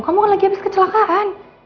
kamu kan lagi habis kecelakaan